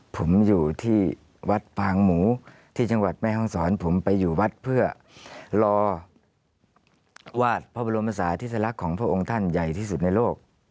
ผมอยู่ที่วัดปางหมูที่จังหวัดแม่ห้องศรผมไปอยู่วัดเพื่อรอวาดพระบรมศาธิสลักษณ์ของพระองค์ท่านใหญ่ที่สุดในโลก